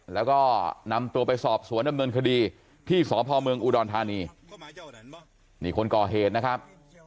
แล้วก็นำตัวไปสอบสวนดำเนินคดีที่สพเมืองอุดรธานีนี่คนก่อเหตุนะครับ